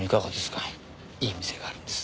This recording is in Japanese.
いい店があるんです。